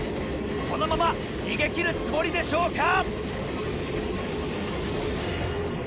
このまま逃げ切るつもりでしょうか？